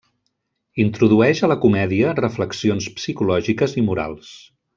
Introdueix a la comèdia reflexions psicològiques i morals.